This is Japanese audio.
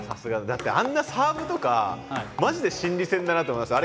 だってあんなサーブとかマジで心理戦だなと思います。